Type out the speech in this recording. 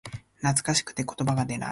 懐かしくて言葉が出ない